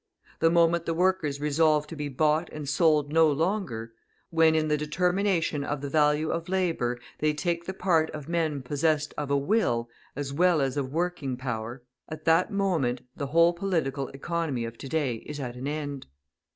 The moment the workers resolve to be bought and sold no longer, when in the determination of the value of labour, they take the part of men possessed of a will as well as of working power, at that moment the whole Political Economy of to day is at an end.